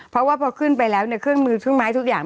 เพราะว่าพอขึ้นไปแล้วเนี่ยเครื่องมือเครื่องไม้ทุกอย่าง